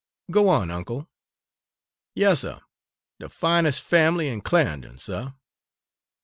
Go on, uncle." "Yas, suh, de fines' fambly in Cla'endon, suh.